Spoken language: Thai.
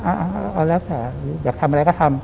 เอาแล้วแต่อยากทำอะไรก็ทำ